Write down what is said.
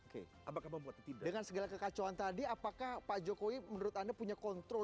oke apakah dengan segala kekacauan tadi apakah pak jokowi menurut anda punya kontrol